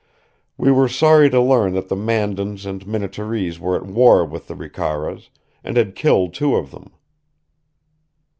We were sorry to learn that the Mandans and Minnetarees were at war with the Ricaras, and had killed two of them.